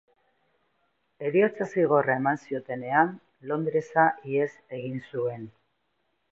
Heriotza-zigorra eman ziotenean, Londresa ihes egin zuen.